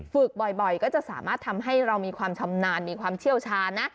ฝึกบ่อยก็จะสามารถทำให้เรามีความชำนาญมีความเชี่ยวชาญนะ